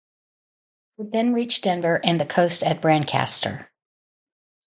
It then reached Denver and the coast at Brancaster.